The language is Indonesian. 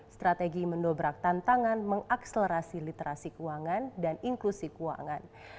strategi mendobrak tantangan mengakselerasi literasi keuangan dan inklusi keuangan